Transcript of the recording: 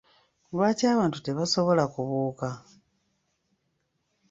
Lwaki abantu tebasobola kubuuka?